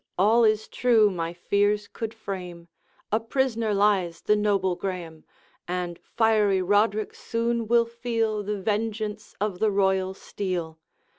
all is true my fears could frame; A prisoner lies the noble Graeme, And fiery Roderick soon will feel The vengeance of the royal steel.